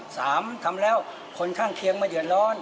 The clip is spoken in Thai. ทำแล้วคนข้างเคียงมาเดือดร้อน